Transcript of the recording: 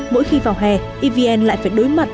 mỗi khi vào hè even lại phải đối mặt